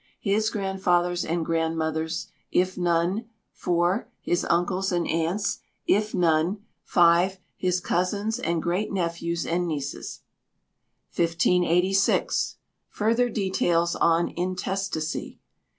His grandfathers and grandmothers; if none, iv. His uncles and aunts; if none, v. His cousins, and great nephews and nieces. 1586. Further Details on Intestacy.